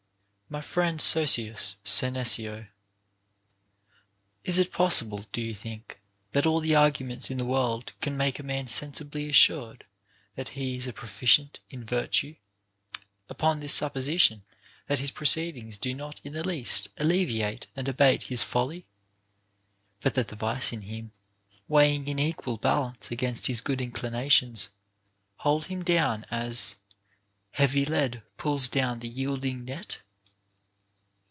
My Friend Sossius Senecio, 1 . Is it possible, do you think, that all the arguments in the world can make a man sensibly assured that he is a proficient in virtue, upon this supposition, that his pro ceedings do not in the least alleviate and abate his folly, but that the vice in him, weighing in equal balance against his good inclinations, holds him down, as Heavy lead pulls down the yielding net